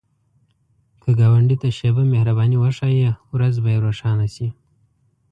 که ګاونډي ته شیبه مهرباني وښایې، ورځ به یې روښانه شي